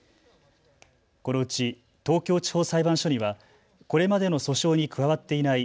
このうち東京地方裁判所にはこれまでの訴訟に加わっていない